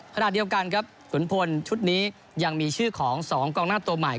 ขณะเดียวกันครับขุนพลชุดนี้ยังมีชื่อของ๒กองหน้าตัวใหม่